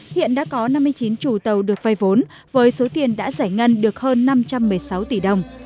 hiện đã có năm mươi chín chủ tàu được vay vốn với số tiền đã giải ngân được hơn năm trăm một mươi sáu tỷ đồng